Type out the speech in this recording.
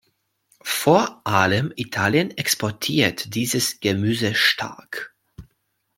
Vor allem Italien exportiert dieses Gemüse stark.